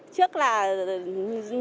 trước là các bác có cái lệnh cửa cấp trên